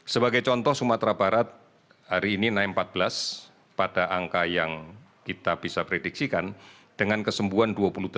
sebagai contoh sumatera barat hari ini naik empat belas pada angka yang kita bisa prediksikan dengan kesembuhan dua puluh delapan